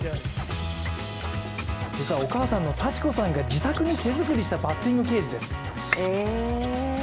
お母さんの祥子さんが自宅に手作りしたバッティングゲージです。